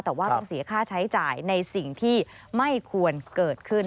แต่ว่าต้องเสียค่าใช้จ่ายในสิ่งที่ไม่ควรเกิดขึ้น